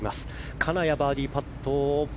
金谷のバーディーパット。